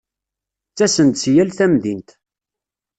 Ttasen-d si yal tamdint.